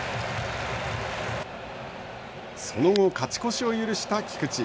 その後、勝ち越しを許した菊池。